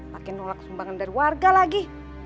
makin nolak sumbangan dari warga lagi